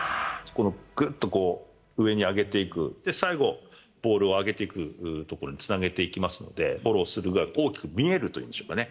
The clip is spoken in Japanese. この、ぐっとこう、上に上げていく、最後、ボールを上げていくところにつなげていきますので、フォロースルーが大きく見えるというんでしょうかね。